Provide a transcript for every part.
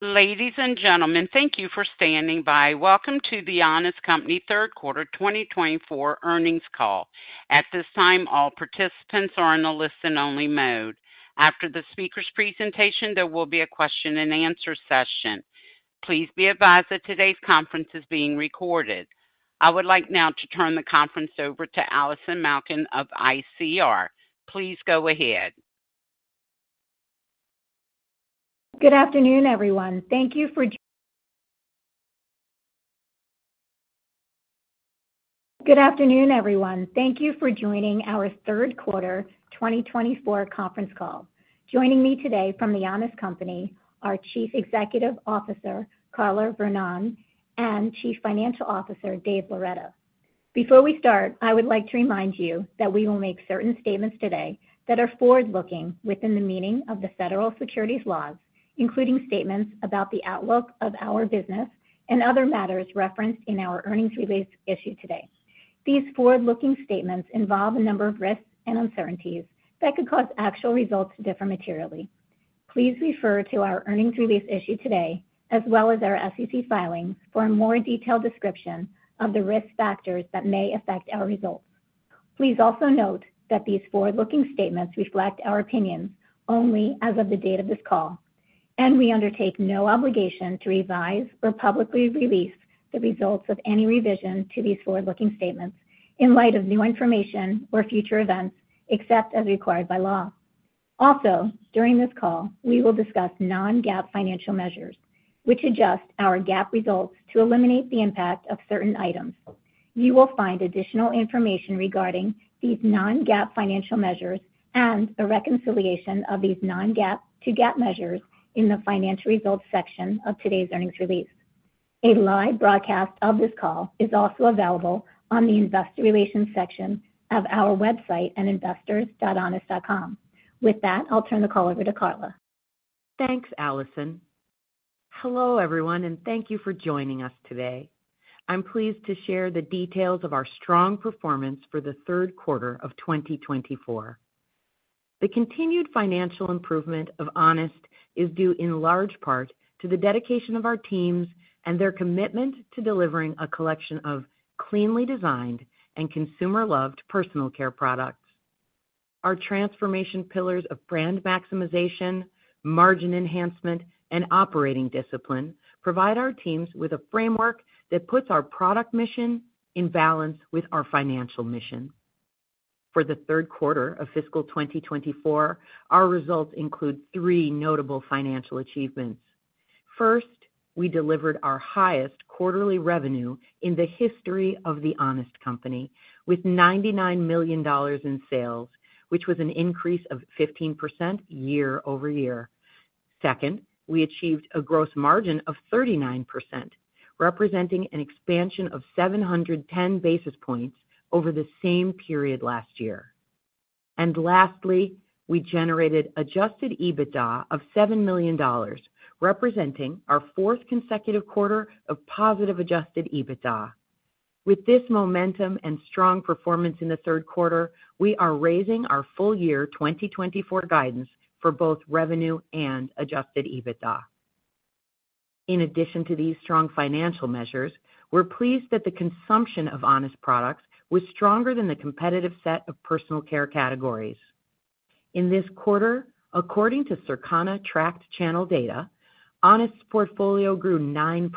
Ladies and gentlemen, thank you for standing by. Welcome to The Honest Company Q3 2024 Earnings Call. At this time, all participants are in a listen-only mode. After the speaker's presentation, there will be a question-and-answer session. Please be advised that today's conference is being recorded. I would like now to turn the conference over to Allison Malkin of ICR. Please go ahead. Good afternoon, everyone. Thank you for joining our Q3 2024 Conference Call. Joining me today from The Honest Company are Chief Executive Officer Carla Vernón and Chief Financial Officer Dave Loretta. Before we start, I would like to remind you that we will make certain statements today that are forward-looking within the meaning of the federal securities laws, including statements about the outlook of our business and other matters referenced in our earnings release issued today. These forward-looking statements involve a number of risks and uncertainties that could cause actual results to differ materially. Please refer to our earnings release issued today, as well as our SEC filings, for a more detailed description of the risk factors that may affect our results. Please also note that these forward-looking statements reflect our opinions only as of the date of this call, and we undertake no obligation to revise or publicly release the results of any revision to these forward-looking statements in light of new information or future events, except as required by law. Also, during this call, we will discuss non-GAAP financial measures, which adjust our GAAP results to eliminate the impact of certain items. You will find additional information regarding these non-GAAP financial measures and a reconciliation of these non-GAAP to GAAP measures in the Financial Results section of today's earnings release. A live broadcast of this call is also available on the Investor Relations section of our website at investors.honest.com. With that, I'll turn the call over to Carla. Thanks, Allison. Hello, everyone, and thank you for joining us today. I'm pleased to share the details of our strong performance for the Q3 of 2024. The continued financial improvement of The Honest Company is due in large part to the dedication of our teams and their commitment to delivering a collection of cleanly designed and consumer-loved personal care products. Our transformation pillars of Brand Maximization, Margin Enhancement, and Operating Discipline provide our teams with a framework that puts our product mission in balance with our financial mission. For the Q3 of fiscal 2024, our results include three notable financial achievements. First, we delivered our highest quarterly revenue in the history of The Honest Company, with $99 million in sales, which was an increase of 15% year-over-year. Second, we achieved a gross margin of 39%, representing an expansion of 710 basis points over the same period last year. Lastly, we generated Adjusted EBITDA of $7 million, representing our fourth consecutive quarter of positive Adjusted EBITDA. With this momentum and strong performance in the Q3, we are raising our full-year 2024 guidance for both revenue and Adjusted EBITDA. In addition to these strong financial measures, we're pleased that the consumption of Honest products was stronger than the competitive set of personal care categories. In this quarter, according to Circana Tracked Channel data, Honest's portfolio grew 9%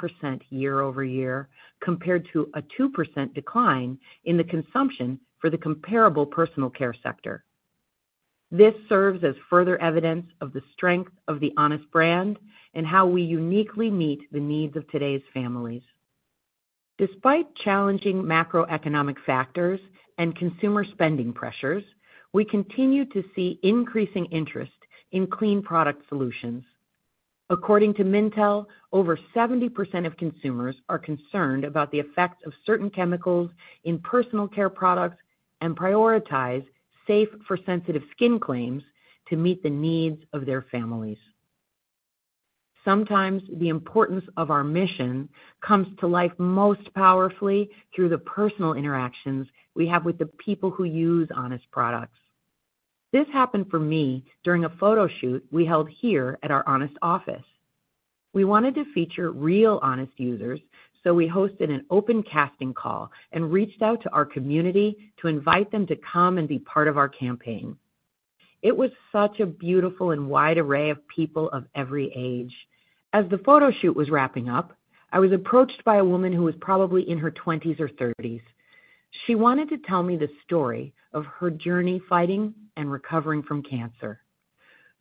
year-over-year, compared to a 2% decline in the consumption for the comparable personal care sector. This serves as further evidence of the strength of the Honest brand and how we uniquely meet the needs of today's families. Despite challenging macroeconomic factors and consumer spending pressures, we continue to see increasing interest in clean product solutions. According to Mintel, over 70% of consumers are concerned about the effects of certain chemicals in personal care products and prioritize safe-for-sensitive skin claims to meet the needs of their families. Sometimes, the importance of our mission comes to life most powerfully through the personal interactions we have with the people who use Honest products. This happened for me during a photo shoot we held here at our Honest office. We wanted to feature real Honest users, so we hosted an open casting call and reached out to our community to invite them to come and be part of our campaign. It was such a beautiful and wide array of people of every age. As the photo shoot was wrapping up, I was approached by a woman who was probably in her 20s or 30s. She wanted to tell me the story of her journey fighting and recovering from cancer.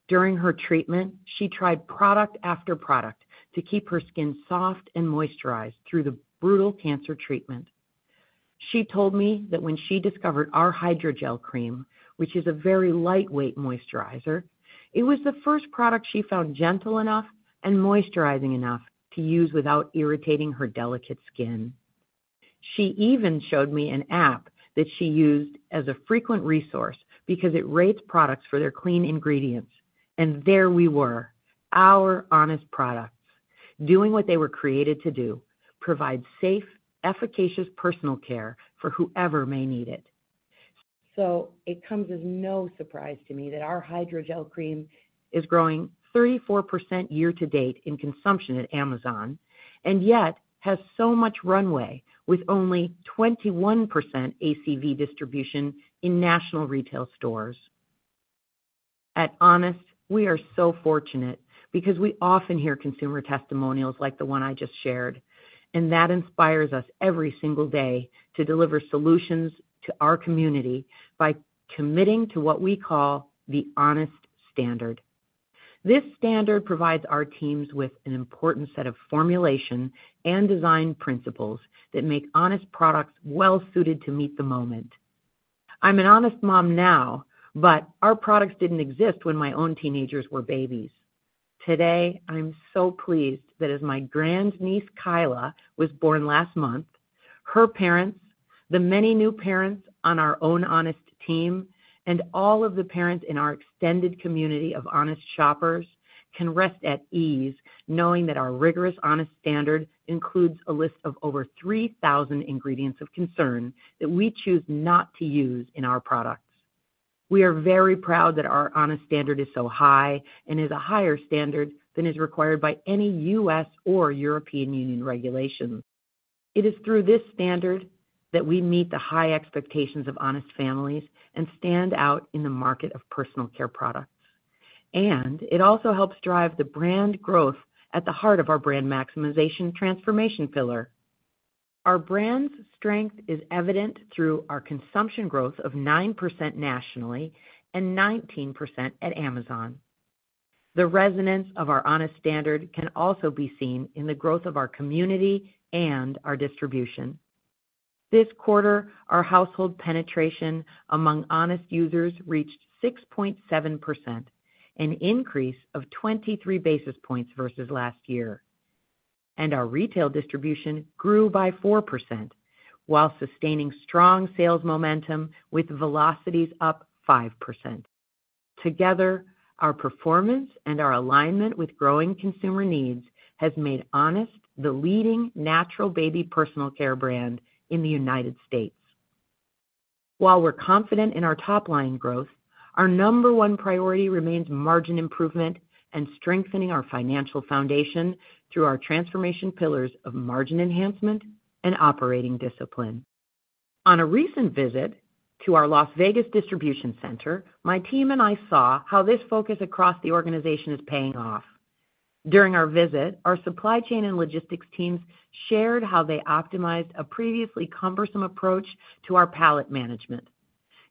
During her treatment, she tried product after product to keep her skin soft and moisturized through the brutal cancer treatment. She told me that when she discovered our Hydrogel Cream, which is a very lightweight moisturizer, it was the first product she found gentle enough and moisturizing enough to use without irritating her delicate skin. She even showed me an app that she used as a frequent resource because it rates products for their clean ingredients, and there we were, our Honest products, doing what they were created to do: provide safe, efficacious personal care for whoever may need it, so it comes as no surprise to me that our Hydrogel Cream is growing 34% year to date in consumption at Amazon, and yet has so much runway with only 21% ACV distribution in national retail stores. At Honest, we are so fortunate because we often hear consumer testimonials like the one I just shared, and that inspires us every single day to deliver solutions to our community by committing to what we call the Honest Standard. This standard provides our teams with an important set of formulation and design principles that make Honest products well-suited to meet the moment. I'm an Honest mom now, but our products didn't exist when my own teenagers were babies. Today, I'm so pleased that as my grandniece Kyla was born last month, her parents, the many new parents on our own Honest team, and all of the parents in our extended community of Honest shoppers can rest at ease knowing that our rigorous Honest Standard includes a list of over 3,000 ingredients of concern that we choose not to use in our products. We are very proud that our Honest Standard is so high and is a higher standard than is required by any US or European Union regulations. It is through this standard that we meet the high expectations of Honest families and stand out in the market of personal care products. It also helps drive the brand growth at the heart of our brand maximization transformation pillar. Our brand's strength is evident through our consumption growth of 9% nationally and 19% at Amazon. The resonance of our Honest Standard can also be seen in the growth of our community and our distribution. This quarter, our household penetration among Honest users reached 6.7%, an increase of 23 basis points versus last year. Our retail distribution grew by 4%, while sustaining strong sales momentum with velocities up 5%. Together, our performance and our alignment with growing consumer needs has made Honest the leading natural baby personal care brand in the US. While we're confident in our top-line growth, our number one priority remains margin improvement and strengthening our financial foundation through our transformation pillars of margin enhancement and operating discipline. On a recent visit to our Las Vegas distribution center, my team and I saw how this focus across the organization is paying off. During our visit, our supply chain and logistics teams shared how they optimized a previously cumbersome approach to our pallet management.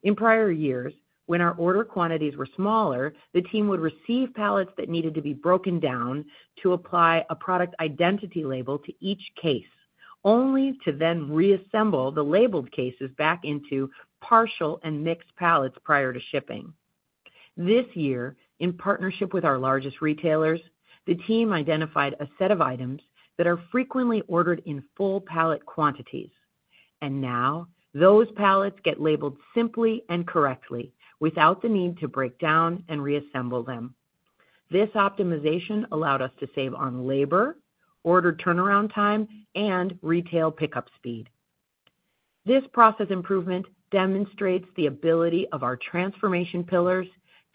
In prior years, when our order quantities were smaller, the team would receive pallets that needed to be broken down to apply a product identity label to each case, only to then reassemble the labeled cases back into partial and mixed pallets prior to shipping. This year, in partnership with our largest retailers, the team identified a set of items that are frequently ordered in full pallet quantities, and now those pallets get labeled simply and correctly, without the need to break down and reassemble them. This optimization allowed us to save on labor, order turnaround time, and retail pickup speed. This process improvement demonstrates the ability of our transformation pillars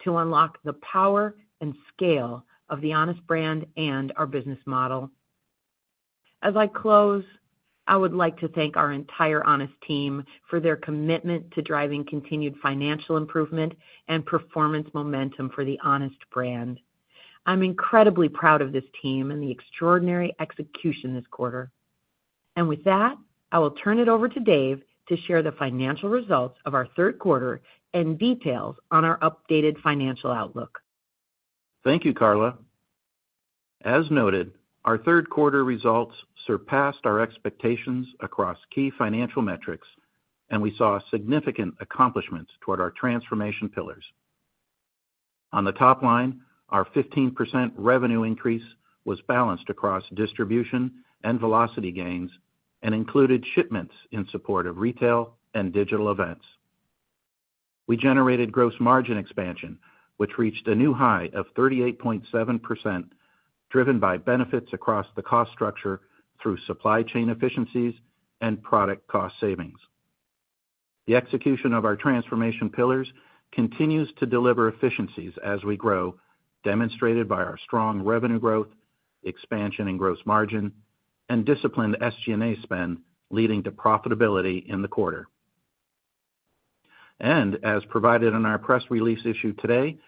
to unlock the power and scale of The Honest brand and our business model. As I close, I would like to thank our entire Honest team for their commitment to driving continued financial improvement and performance momentum for The Honest brand. I'm incredibly proud of this team and the extraordinary execution this quarter, and with that, I will turn it over to Dave to share the financial results of our Q3 and details on our updated financial outlook. Thank you, Carla. As noted, our Q3 results surpassed our expectations across key financial metrics, and we saw significant accomplishments toward our transformation pillars. On the top line, our 15% revenue increase was balanced across distribution and velocity gains and included shipments in support of retail and digital events. We generated gross margin expansion, which reached a new high of 38.7%, driven by benefits across the cost structure through supply chain efficiencies and product cost savings. The execution of our transformation pillars continues to deliver efficiencies as we grow, demonstrated by our strong revenue growth, expansion in gross margin, and disciplined SG&A spend, leading to profitability in the quarter. And as provided in our press release issued today,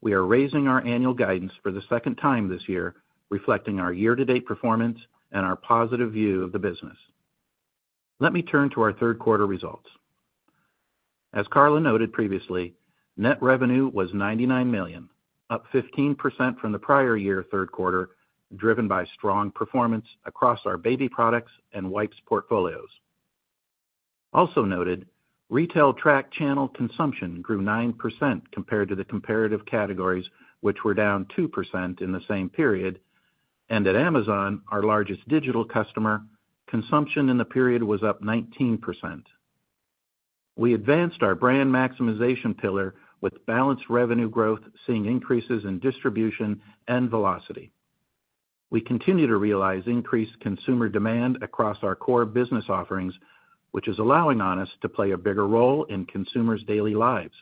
we are raising our annual guidance for the second time this year, reflecting our year-to-date performance and our positive view of the business. Let me turn to our Q3 results. As Carla noted previously, net revenue was $99 million, up 15% from the prior-year Q3, driven by strong performance across our baby products and wipes portfolios. Also noted, retail-tracked channel consumption grew 9% compared to the comparative categories, which were down 2% in the same period. And at Amazon, our largest digital customer, consumption in the period was up 19%. We advanced our brand maximization pillar with balanced revenue growth, seeing increases in distribution and velocity. We continue to realize increased consumer demand across our core business offerings, which is allowing Honest to play a bigger role in consumers' daily lives.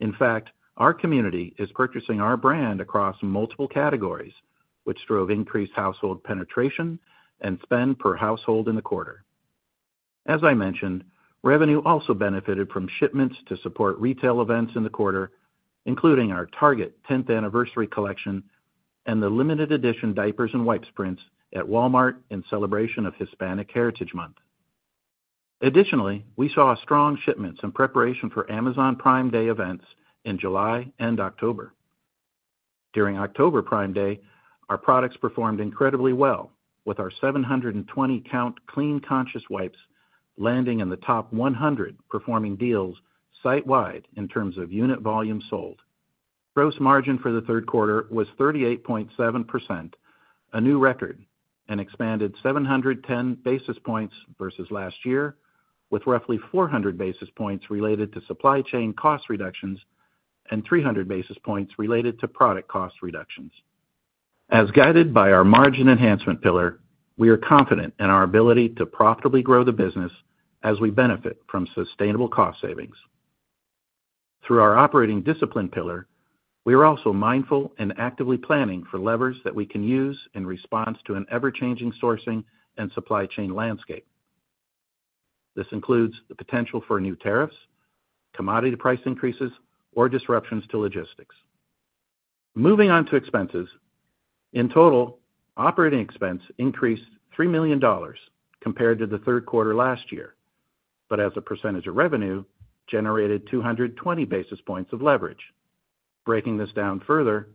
In fact, our community is purchasing our brand across multiple categories, which drove increased household penetration and spend per household in the quarter. As I mentioned, revenue also benefited from shipments to support retail events in the quarter, including our Target 10th Anniversary Collection and the limited edition diapers and wipes prints at Walmart in celebration of Hispanic Heritage Month. Additionally, we saw strong shipments in preparation for Amazon Prime Day events in July and October. During October Prime Day, our products performed incredibly well, with our 720-Count Clean Conscious Wipes landing in the top 100 performing deals site-wide in terms of unit volume sold. Gross margin for the Q3 was 38.7%, a new record, and expanded 710 basis points versus last year, with roughly 400 basis points related to supply chain cost reductions and 300 basis points related to product cost reductions. As guided by our Margin Enhancement pillar, we are confident in our ability to profitably grow the business as we benefit from sustainable cost savings. Through our Operating Discipline pillar, we are also mindful and actively planning for levers that we can use in response to an ever-changing sourcing and supply chain landscape. This includes the potential for new tariffs, commodity price increases, or disruptions to logistics. Moving on to expenses, in total, operating expense increased $3 million compared to the Q3 last year, but as a percentage of revenue, generated 220 basis points of leverage. Breaking this down further,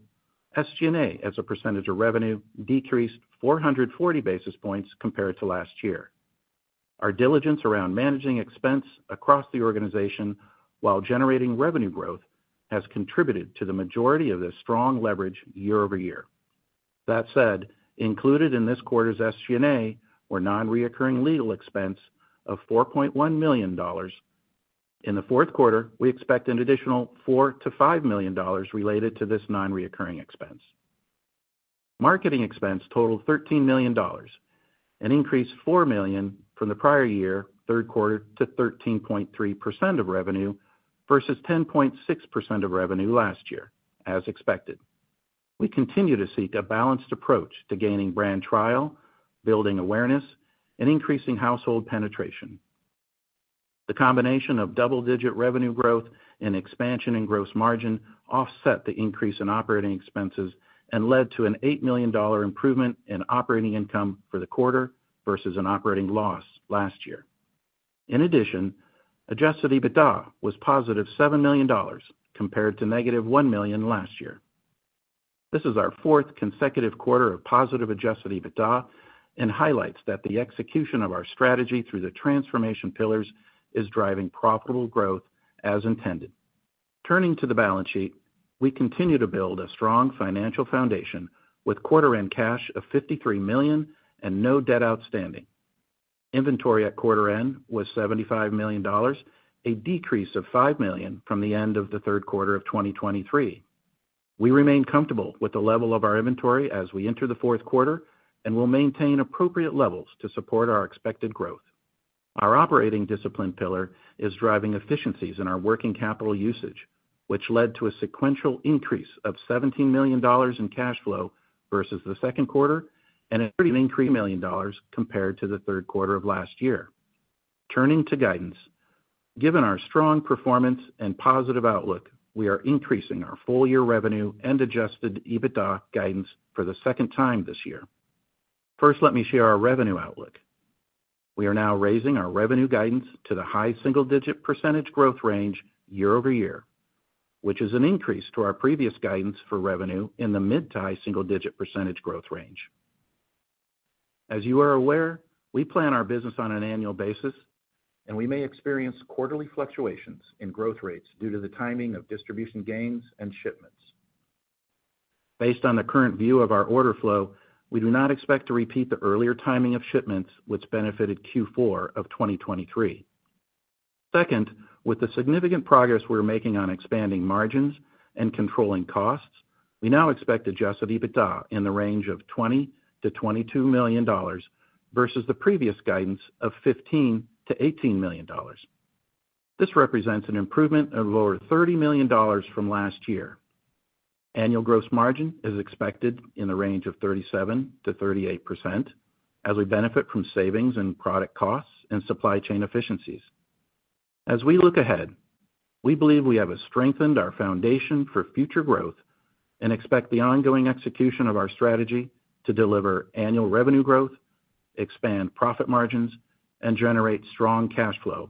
SG&A as a percentage of revenue decreased 440 basis points compared to last year. Our diligence around managing expense across the organization while generating revenue growth has contributed to the majority of this strong leverage year-over-year. That said, included in this quarter's SG&A were non-recurring legal expense of $4.1 million. In the Q4, we expect an additional $4 to 5 million related to this non-recurring expense. Marketing expense totaled $13 million, an increase of $4 million from the prior year Q3 to 13.3% of revenue versus 10.6% of revenue last year, as expected. We continue to seek a balanced approach to gaining brand trial, building awareness, and increasing household penetration. The combination of double-digit revenue growth and expansion in gross margin offset the increase in operating expenses and led to an $8 million improvement in operating income for the quarter versus an operating loss last year. In addition, Adjusted EBITDA was positive $7 million compared to negative $1 million last year. This is our fourth consecutive quarter of positive Adjusted EBITDA and highlights that the execution of our strategy through the transformation pillars is driving profitable growth as intended. Turning to the balance sheet, we continue to build a strong financial foundation with quarter-end cash of $53 million and no debt outstanding. Inventory at quarter-end was $75 million, a decrease of $5 million from the end of the Q3 of 2023. We remain comfortable with the level of our inventory as we enter the Q4 and will maintain appropriate levels to support our expected growth. Our operating discipline pillar is driving efficiencies in our working capital usage, which led to a sequential increase of $17 million in cash flow versus the second quarter and a $33 million compared to the Q3 of last year. Turning to guidance, given our strong performance and positive outlook, we are increasing our full-year revenue and Adjusted EBITDA guidance for the second time this year. First, let me share our revenue outlook. We are now raising our revenue guidance to the high single-digit percentage growth range year-over-year, which is an increase to our previous guidance for revenue in the mid- to high single-digit percentage growth range. As you are aware, we plan our business on an annual basis, and we may experience quarterly fluctuations in growth rates due to the timing of distribution gains and shipments. Based on the current view of our order flow, we do not expect to repeat the earlier timing of shipments, which benefited Q4 of 2023. Second, with the significant progress we're making on expanding margins and controlling costs, we now expect Adjusted EBITDA in the range of $20 to 22 million versus the previous guidance of $15 to 18 million. This represents an improvement of over $30 million from last year. Annual gross margin is expected in the range of 37% to 38% as we benefit from savings in product costs and supply chain efficiencies. As we look ahead, we believe we have strengthened our foundation for future growth and expect the ongoing execution of our strategy to deliver annual revenue growth, expand profit margins, and generate strong cash flow,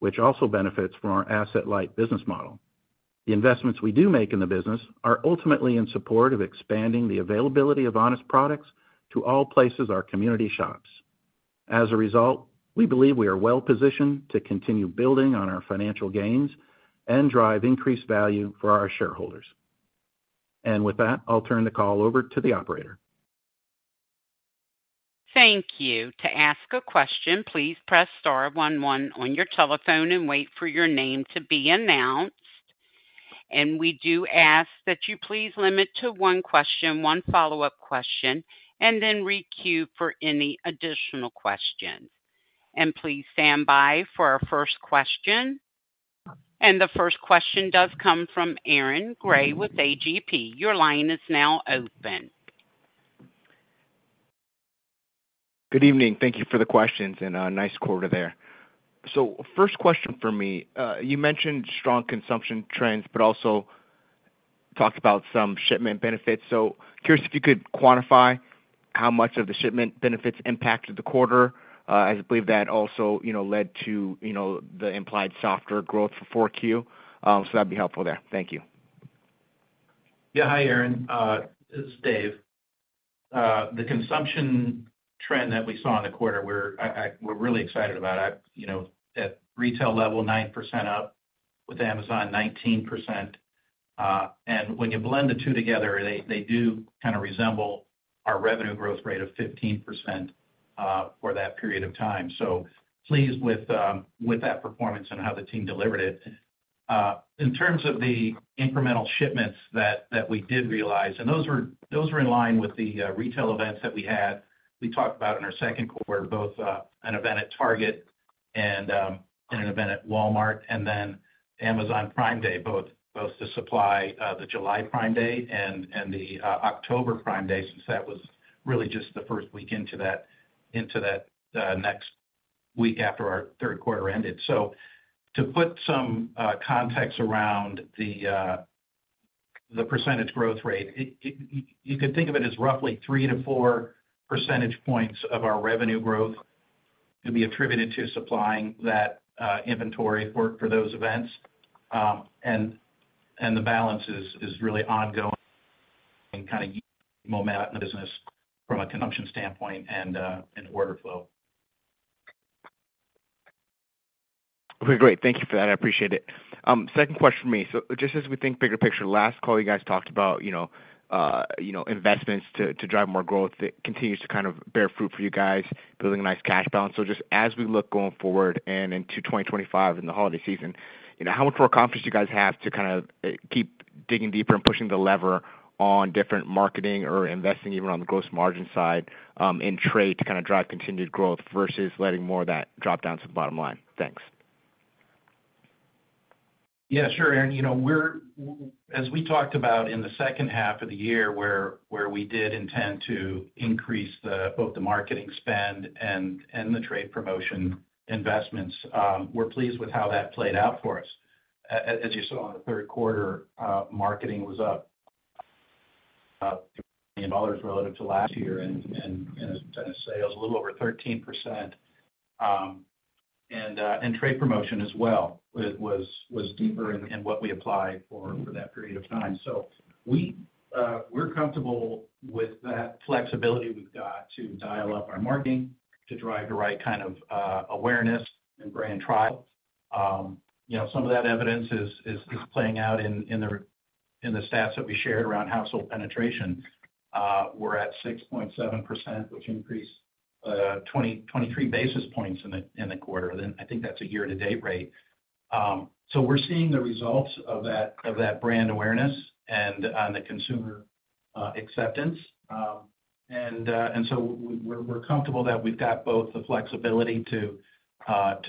which also benefits from our asset-light business model. The investments we do make in the business are ultimately in support of expanding the availability of Honest products to all places our community shops. As a result, we believe we are well-positioned to continue building on our financial gains and drive increased value for our shareholders, and with that, I'll turn the call over to the operator. Thank you. To ask a question, please press star, one, one on your telephone and wait for your name to be announced. And we do ask that you please limit to one question, one follow-up question, and then re-queue for any additional questions. And please stand by for our first question. And the first question does come from Aaron Grey with AGP. Your line is now open. Good evening. Thank you for the questions in a nice quarter there. So first question for me, you mentioned strong consumption trends, but also talked about some shipment benefits. So curious if you could quantify how much of the shipment benefits impacted the quarter, as I believe that also led to the implied softer growth for Q4. So that'd be helpful there. Thank you. Yeah. Hi, Aaron. This is Dave. The consumption trend that we saw in the quarter, we're really excited about. At retail level, 9% up with Amazon, 19%. And when you blend the two together, they do kind of resemble our revenue growth rate of 15% for that period of time. So pleased with that performance and how the team delivered it. In terms of the incremental shipments that we did realize, and those were in line with the retail events that we had. We talked about in our Q2, both an event at Target and an event at Walmart, and then Amazon Prime Day, both to supply the July Prime Day and the October Prime Day, since that was really just the first week into that next week after our Q3 ended. To put some context around the percentage growth rate, you could think of it as roughly three to four percentage points of our revenue growth could be attributed to supplying that inventory for those events. The balance is really ongoing and kind of momentum in the business from a consumption standpoint and order flow. Okay. Great. Thank you for that. I appreciate it. Second question for me. So just as we think bigger picture, last call you guys talked about investments to drive more growth that continues to kind of bear fruit for you guys, building a nice cash balance. So just as we look going forward and into 2025 in the holiday season, how much more confidence do you guys have to kind of keep digging deeper and pushing the lever on different marketing or investing, even on the gross margin side in trade to kind of drive continued growth versus letting more of that drop down to the bottom line? Thanks. Yeah. Sure, Aaron. As we talked about in the second half of the year, where we did intend to increase both the marketing spend and the trade promotion investments, we're pleased with how that played out for us. As you saw in the Q3, marketing was up $3 million relative to last year and sales a little over 13%. And trade promotion as well was deeper in what we applied for that period of time. So we're comfortable with that flexibility we've got to dial up our marketing to drive the right kind of awareness and brand trial. Some of that evidence is playing out in the stats that we shared around household penetration. We're at 6.7%, which increased 23 basis points in the quarter. I think that's a year-to-date rate. So we're seeing the results of that brand awareness and the consumer acceptance. And so we're comfortable that we've got both the flexibility to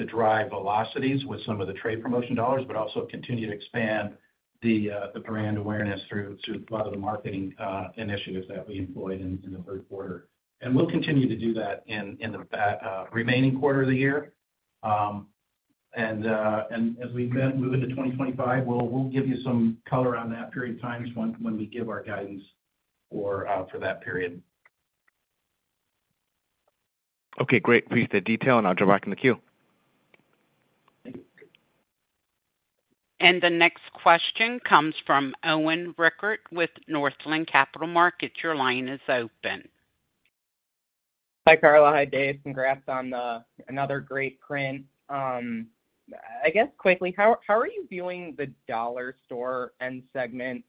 drive velocities with some of the trade promotion dollars, but also continue to expand the brand awareness through a lot of the marketing initiatives that we employed in the Q3. And we'll continue to do that in the remaining quarter of the year. And as we move into 2025, we'll give you some color on that period of time when we give our guidance for that period. Okay. Great. Appreciate the detail, and I'll drop back in the queue. The next question comes from Owen Rickert with Northland Capital Markets. Your line is open. Hi, Carla. Hi, Dave. Congrats on another great print. I guess quickly, how are you viewing the dollar store end segment?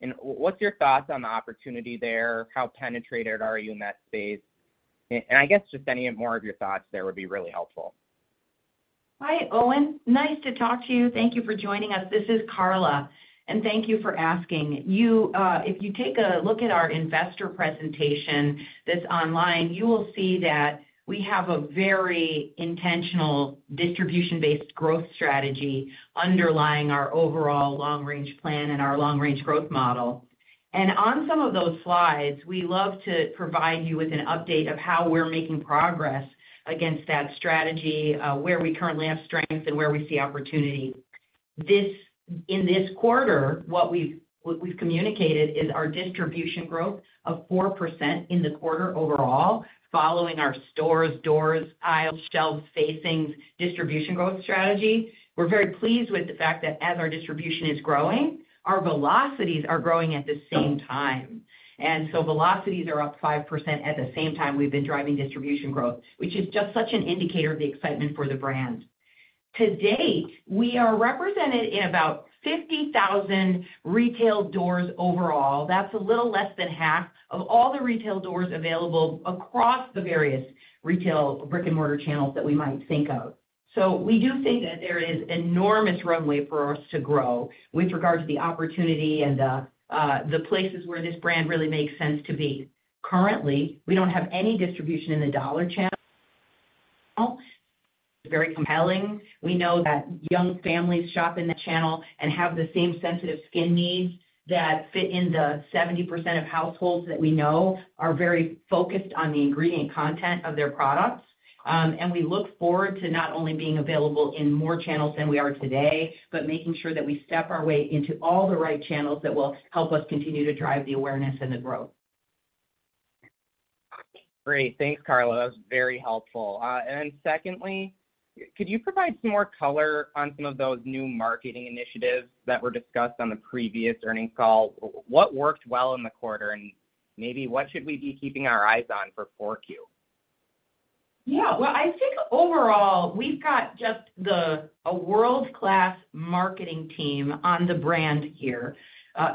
And what's your thoughts on the opportunity there? How penetrated are you in that space? And I guess just any more of your thoughts there would be really helpful. Hi, Owen. Nice to talk to you. Thank you for joining us. This is Carla, and thank you for asking. If you take a look at our investor presentation that's online, you will see that we have a very intentional distribution-based growth strategy underlying our overall long-range plan and our long-range growth model, and on some of those slides, we love to provide you with an update of how we're making progress against that strategy, where we currently have strength and where we see opportunity. In this quarter, what we've communicated is our distribution growth of 4% in the quarter overall, following our stores, doors, aisles, shelves, facings distribution growth strategy. We're very pleased with the fact that as our distribution is growing, our velocities are growing at the same time. And so velocities are up 5% at the same time we've been driving distribution growth, which is just such an indicator of the excitement for the brand. To date, we are represented in about 50,000 retail doors overall. That's a little less than half of all the retail doors available across the various retail brick-and-mortar channels that we might think of. So we do think that there is enormous runway for us to grow with regard to the opportunity and the places where this brand really makes sense to be. Currently, we don't have any distribution in the dollar channel. It's very compelling. We know that young families shop in that channel and have the same sensitive skin needs that fit in the 70% of households that we know are very focused on the ingredient content of their products. We look forward to not only being available in more channels than we are today, but making sure that we step our way into all the right channels that will help us continue to drive the awareness and the growth. Great. Thanks, Carla. That was very helpful. And then secondly, could you provide some more color on some of those new marketing initiatives that were discussed on the previous earnings call? What worked well in the quarter? And maybe what should we be keeping our eyes on for Q4? Yeah. Well, I think overall, we've got just a world-class marketing team on the brand here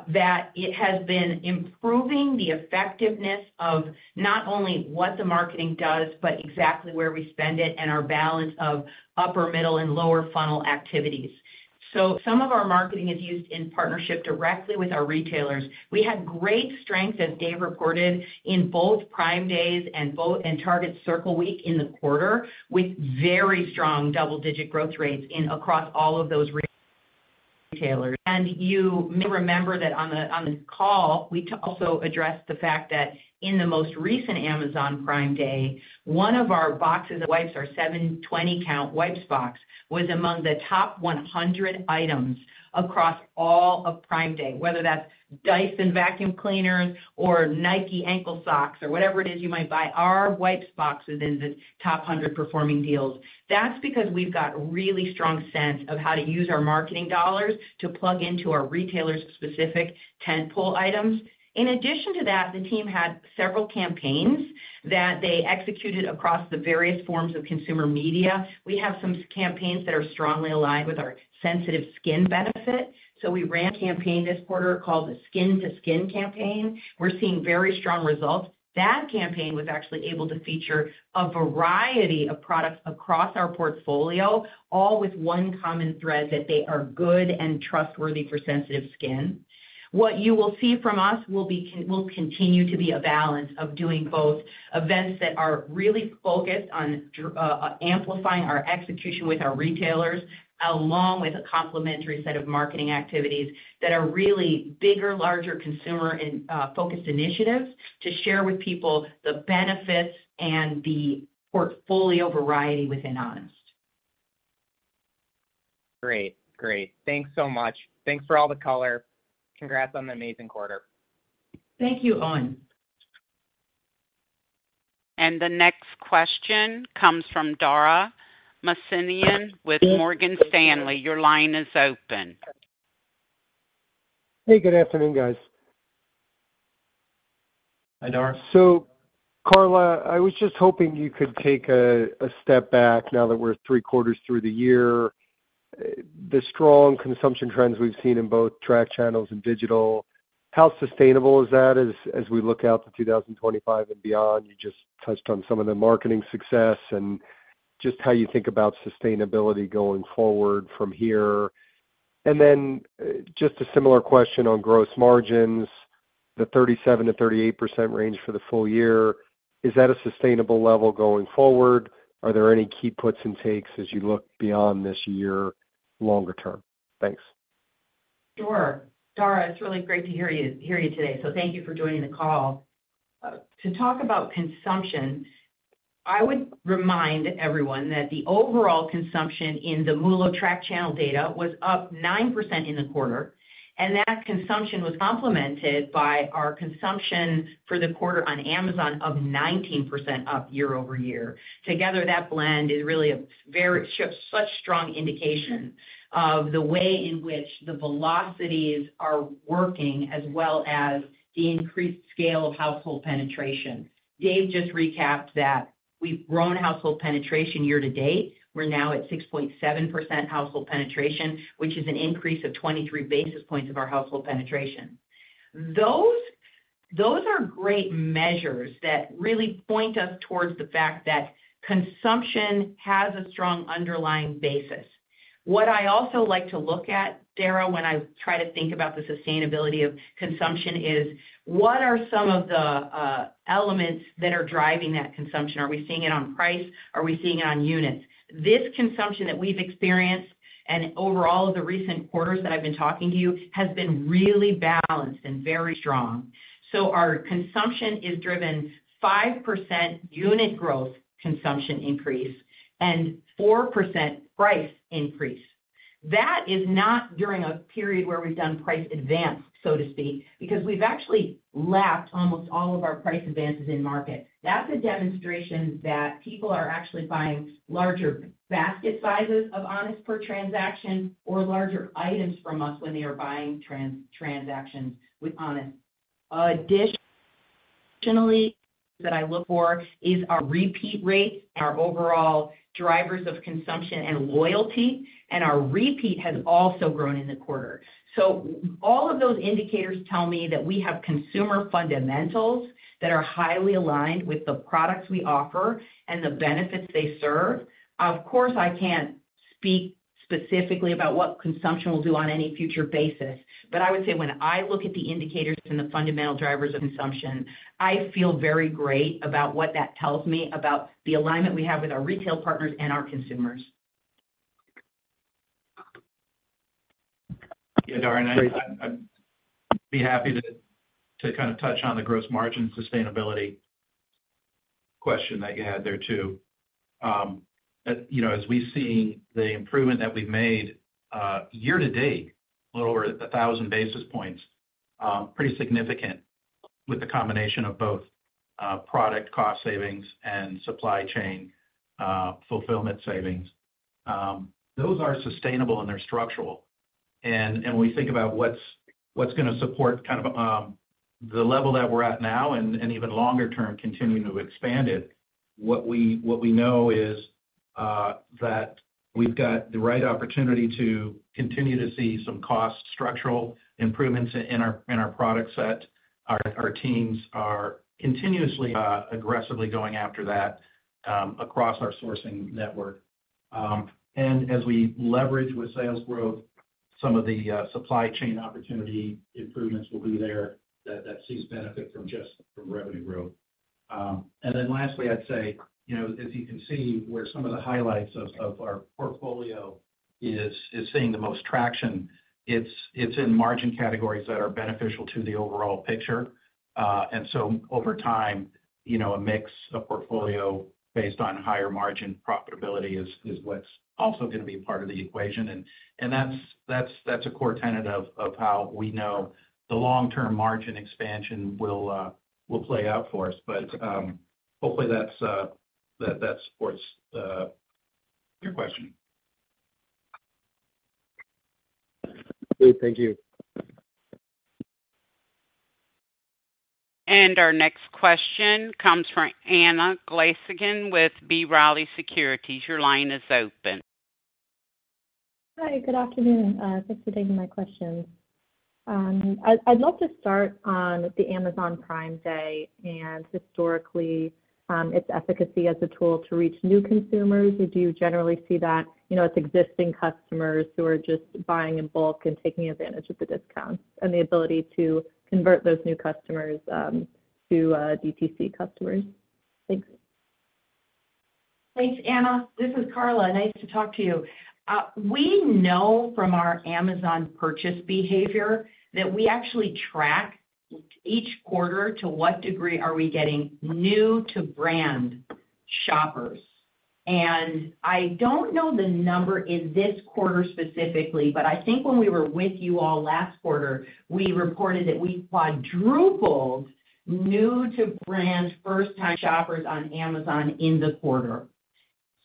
that has been improving the effectiveness of not only what the marketing does, but exactly where we spend it and our balance of upper, middle, and lower funnel activities. So some of our marketing is used in partnership directly with our retailers. We had great strength, as Dave reported, in both Prime Days and Target Circle Week in the quarter with very strong double-digit growth rates across all of those retailers. And you may remember that on the call, we also addressed the fact that in the most recent Amazon Prime Day, one of our boxes of wipes, our 720-count wipes box, was among the top 100 items across all of Prime Day, whether that's Dyson vacuum cleaners or Nike ankle socks or whatever it is you might buy. Our wipes box is in the top 100 performing deals. That's because we've got a really strong sense of how to use our marketing dollars to plug into our retailers' specific tentpole items. In addition to that, the team had several campaigns that they executed across the various forms of consumer media. We have some campaigns that are strongly aligned with our sensitive skin benefit, so we ran a campaign this quarter called the Skin-to-Skin Campaign. We're seeing very strong results. That campaign was actually able to feature a variety of products across our portfolio, all with one common thread that they are good and trustworthy for sensitive skin. What you will see from us will continue to be a balance of doing both events that are really focused on amplifying our execution with our retailers, along with a complementary set of marketing activities that are really bigger, larger consumer-focused initiatives to share with people the benefits and the portfolio variety within Honest. Great. Great. Thanks so much. Thanks for all the color. Congrats on the amazing quarter. Thank you, Owen. The next question comes from Dara Mohsenian with Morgan Stanley. Your line is open. Hey, good afternoon, guys. Hi, Dara. Carla, I was just hoping you could take a step back now that we're three quarters through the year. The strong consumption trends we've seen in both track channels and digital, how sustainable is that as we look out to 2025 and beyond? You just touched on some of the marketing success and just how you think about sustainability going forward from here. And then just a similar question on gross margins, the 37% to 38% range for the full year. Is that a sustainable level going forward? Are there any key puts and takes as you look beyond this year longer term? Thanks. Sure. Dara, it's really great to hear you today, so thank you for joining the call. To talk about consumption, I would remind everyone that the overall consumption in the MULO track channel data was up 9% in the quarter, and that consumption was complemented by our consumption for the quarter on Amazon of 19% up year-over-year. Together, that blend is really a very such strong indication of the way in which the velocities are working as well as the increased scale of household penetration. Dave just recapped that we've grown household penetration year to date. We're now at 6.7% household penetration, which is an increase of 23 basis points of our household penetration. Those are great measures that really point us towards the fact that consumption has a strong underlying basis. What I also like to look at, Dara, when I try to think about the sustainability of consumption is what are some of the elements that are driving that consumption? Are we seeing it on price? Are we seeing it on units? This consumption that we've experienced and over all of the recent quarters that I've been talking to you has been really balanced and very strong. So our consumption is driven 5% unit growth consumption increase and 4% price increase. That is not during a period where we've done price advance, so to speak, because we've actually lapped almost all of our price advances in market. That's a demonstration that people are actually buying larger basket sizes of Honest per transaction or larger items from us when they are buying transactions with Honest. Additionally, that I look for is our repeat rates and our overall drivers of consumption and loyalty. Our repeat has also grown in the quarter. All of those indicators tell me that we have consumer fundamentals that are highly aligned with the products we offer and the benefits they serve. Of course, I can't speak specifically about what consumption will do on any future basis. I would say when I look at the indicators and the fundamental drivers of consumption, I feel very great about what that tells me about the alignment we have with our retail partners and our consumers. Yeah, Dara, I'd be happy to kind of touch on the gross margin sustainability question that you had there too. As we see the improvement that we've made year to date, a little over 1,000 basis points, pretty significant with the combination of both product cost savings and supply chain fulfillment savings. Those are sustainable and they're structural. And when we think about what's going to support kind of the level that we're at now and even longer term, continue to expand it, what we know is that we've got the right opportunity to continue to see some cost structural improvements in our product set. Our teams are continuously aggressively going after that across our sourcing network. And as we leverage with sales growth, some of the supply chain opportunity improvements will be there that see benefit from just from revenue growth. And then lastly, I'd say, as you can see, where some of the highlights of our portfolio is seeing the most traction, it's in margin categories that are beneficial to the overall picture. And so over time, a mix of portfolio based on higher margin profitability is what's also going to be part of the equation. And that's a core tenet of how we know the long-term margin expansion will play out for us. But hopefully, that supports your question. Great. Thank you. Our next question comes from Anna Glaessgen with B. Riley Securities. Your line is open. Hi, good afternoon. Thanks for taking my question. I'd love to start on the Amazon Prime Day and historically its efficacy as a tool to reach new consumers. We do generally see that it's existing customers who are just buying in bulk and taking advantage of the discounts and the ability to convert those new customers to DTC customers. Thanks. Thanks, Anna. This is Carla. Nice to talk to you. We know from our Amazon purchase behavior that we actually track each quarter to what degree are we getting new-to-brand shoppers. And I don't know the number in this quarter specifically, but I think when we were with you all last quarter, we reported that we quadrupled new-to-brand first-time shoppers on Amazon in the quarter,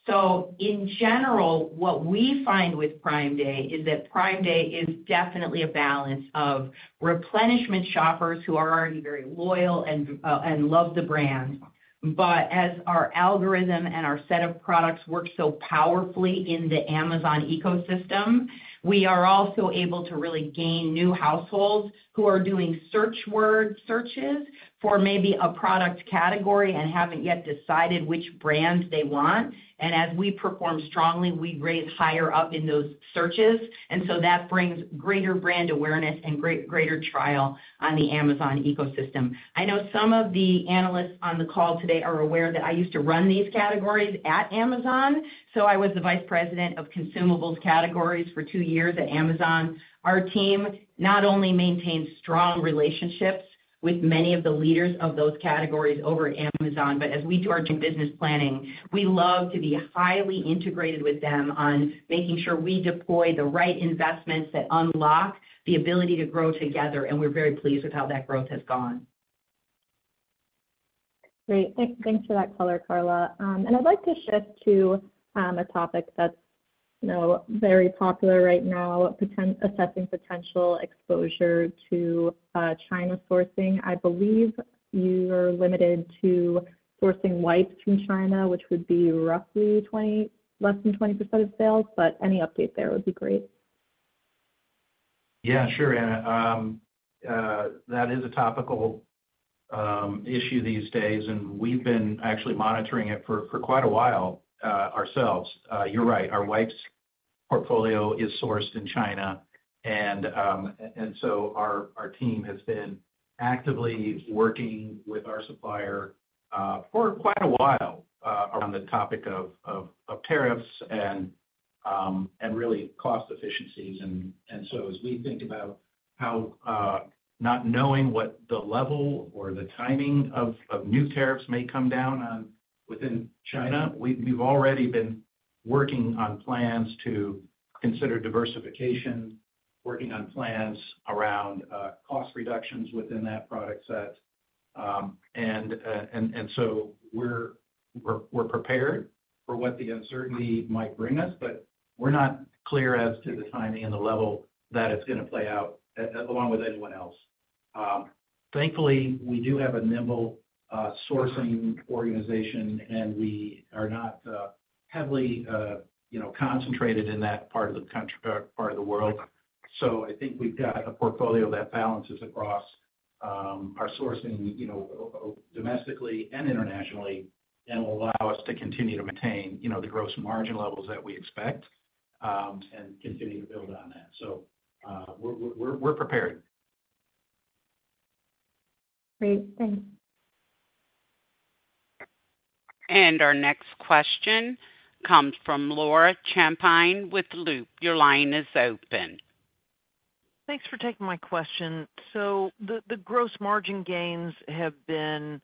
so in general, what we find with Prime Day is that Prime Day is definitely a balance of replenishment shoppers who are already very loyal and love the brand, but as our algorithm and our set of products work so powerfully in the Amazon ecosystem, we are also able to really gain new households who are doing search word searches for maybe a product category and haven't yet decided which brand they want, and as we perform strongly, we raise higher up in those searches. And so that brings greater brand awareness and greater trial on the Amazon ecosystem. I know some of the analysts on the call today are aware that I used to run these categories at Amazon. So I was the vice president of consumables categories for two years at Amazon. Our team not only maintains strong relationships with many of the leaders of those categories over at Amazon, but as we do our business planning, we love to be highly integrated with them on making sure we deploy the right investments that unlock the ability to grow together. And we're very pleased with how that growth has gone. Great. Thanks for that color, Carla. And I'd like to shift to a topic that's very popular right now, assessing potential exposure to China sourcing. I believe you are limited to sourcing wipes from China, which would be roughly less than 20% of sales. But any update there would be great. Yeah, sure, Anna. That is a topical issue these days, and we've been actually monitoring it for quite a while ourselves. You're right. Our wipes portfolio is sourced in China, and so our team has been actively working with our supplier for quite a while around the topic of tariffs and really cost efficiencies. And so as we think about how not knowing what the level or the timing of new tariffs may come down within China, we've already been working on plans to consider diversification, working on plans around cost reductions within that product set. And so we're prepared for what the uncertainty might bring us, but we're not clear as to the timing and the level that it's going to play out along with anyone else. Thankfully, we do have a nimble sourcing organization, and we are not heavily concentrated in that part of the world. So I think we've got a portfolio that balances across our sourcing domestically and internationally and will allow us to continue to maintain the Gross Margin levels that we expect and continue to build on that. So we're prepared. Great. Thanks. And our next question comes from Laura Champine with Loop. Your line is open. Thanks for taking my question. So the gross margin gains have been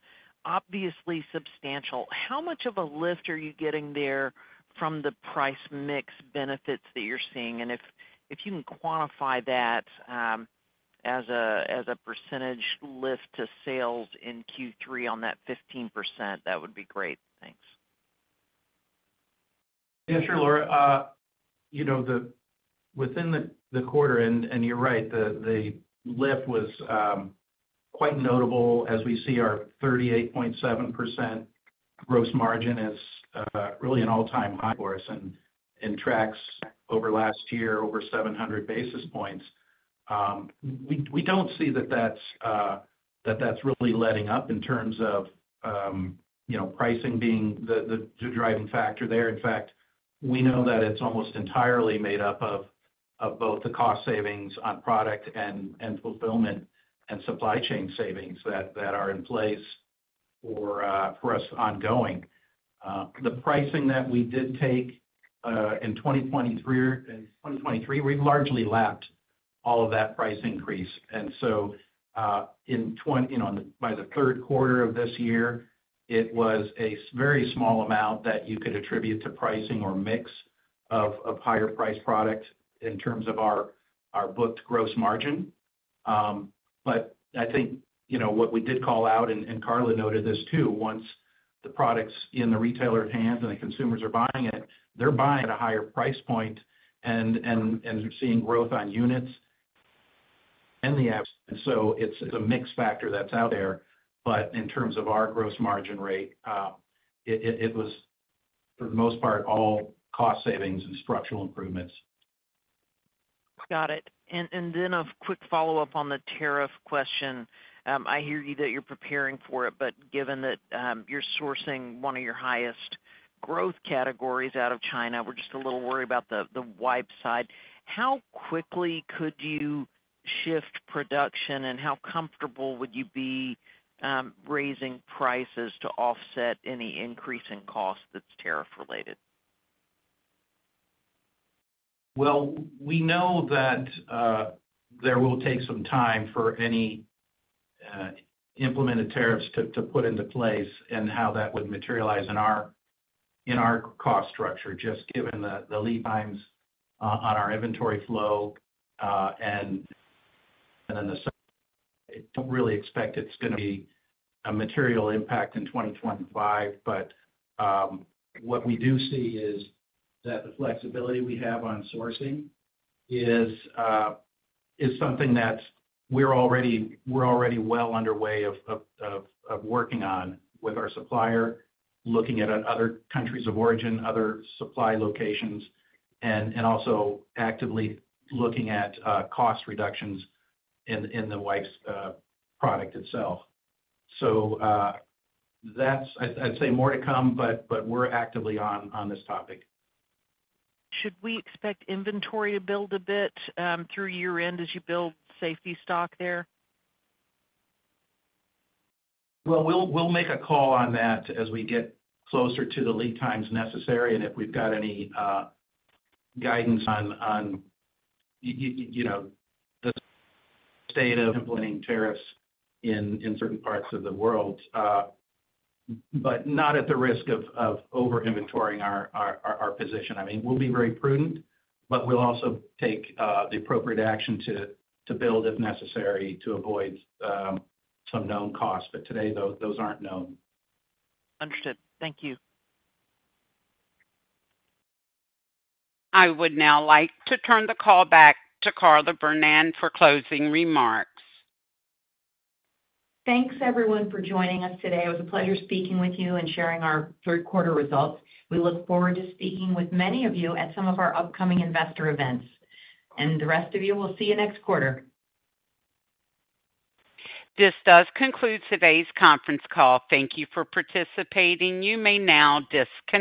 obviously substantial. How much of a lift are you getting there from the price mix benefits that you're seeing? And if you can quantify that as a percentage lift to sales in Q3 on that 15%, that would be great. Thanks. Yeah, sure, Laura. Within the quarter, and you're right, the lift was quite notable as we see our 38.7% gross margin is really an all-time high for us and tracks over last year over 700 basis points. We don't see that that's really letting up in terms of pricing being the driving factor there. In fact, we know that it's almost entirely made up of both the cost savings on product and fulfillment and supply chain savings that are in place for us ongoing. The pricing that we did take in 2023, we've largely lapped all of that price increase. And so by the Q3 of this year, it was a very small amount that you could attribute to pricing or mix of higher-priced products in terms of our booked gross margin. But I think what we did call out, and Carla noted this too, once the product's in the retailer's hands and the consumers are buying it, they're buying at a higher price point and seeing growth on units and the average. And so it's a mixed factor that's out there. But in terms of our gross margin rate, it was for the most part all cost savings and structural improvements. Got it. And then a quick follow-up on the tariff question. I hear you that you're preparing for it, but given that you're sourcing one of your highest growth categories out of China, we're just a little worried about the wipe side. How quickly could you shift production, and how comfortable would you be raising prices to offset any increase in cost that's tariff-related? We know that there will take some time for any implemented tariffs to put into place and how that would materialize in our cost structure just given the lead times on our inventory flow. I don't really expect it's going to be a material impact in 2025. What we do see is that the flexibility we have on sourcing is something that we're already well underway of working on with our supplier, looking at other countries of origin, other supply locations, and also actively looking at cost reductions in the wipes product itself. I'd say more to come, but we're actively on this topic. Should we expect inventory to build a bit through year-end as you build safety stock there? We'll make a call on that as we get closer to the lead times necessary and if we've got any guidance on the state of implementing tariffs in certain parts of the world, but not at the risk of over-inventorying our position. I mean, we'll be very prudent, but we'll also take the appropriate action to build if necessary to avoid some known costs. Today, those aren't known. Understood. Thank you. I would now like to turn the call back to Carla Vernón for closing remarks. Thanks, everyone, for joining us today. It was a pleasure speaking with you and sharing our Q3 results. We look forward to speaking with many of you at some of our upcoming investor events. And the rest of you, we'll see you next quarter. This does conclude today's conference call. Thank you for participating. You may now disconnect.